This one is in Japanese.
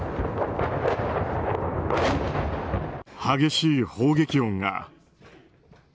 激しい砲撃音が。